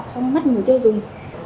trong mắt người tiêu dùng